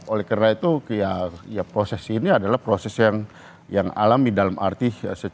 oleh karena itu ya proses ini adalah proses yang alami dalam arti